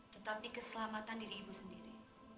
tetapi keselamatan diri ibu sendiri